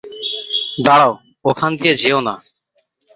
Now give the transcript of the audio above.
দাঁড়াও, ওখান দিয়ে যেও না।